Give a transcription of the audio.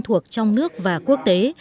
trong nước và quốc tế